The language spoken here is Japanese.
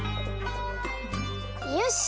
よし！